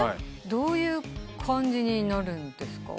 どういう感じになるんですか？